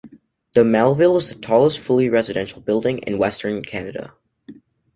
The Melville is the tallest fully residential building in western Canada.